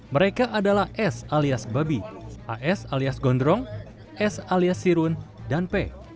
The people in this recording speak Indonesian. mereka adalah s alias babi as alias gondrong s alias sirun dan p